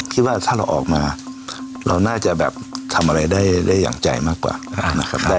คิดว่าถ้าเราออกมาเราน่าจะแบบทำอะไรได้อย่างใจมากกว่านะครับ